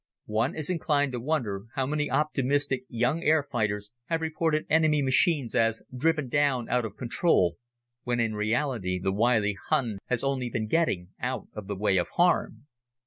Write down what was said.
One is inclined to wonder how many optimistic young air fighters have reported enemy machines as "driven down out of control," when in reality the wily Hun has only been getting out of the way of harm.